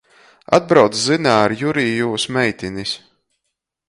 Atbrauc Zina ar Juri i jūs meitinis.